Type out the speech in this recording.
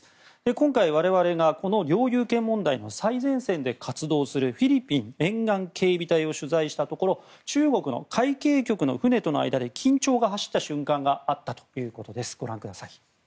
今回、我々が領有権問題で最前線で活動するフィリピン沿岸警備隊を取材したところ中国海警局の船との間で緊張が走った瞬間がありました。